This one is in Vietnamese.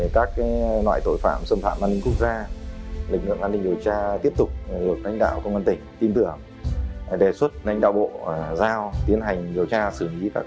các loại tội phạm xâm phạm an ninh quốc gia lực lượng an ninh điều tra tiếp tục được đánh đạo công an tỉnh tin tưởng đề xuất đánh đạo bộ giao tiến hành điều tra xử lý